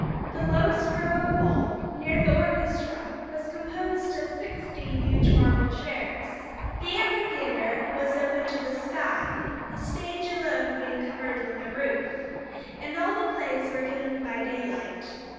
The lowest row of all, near the orchestra, was composed of sixty huge marble chairs. The amphitheater was open to the sky, the stage alone being covered with a roof; and all the plays were given by daylight.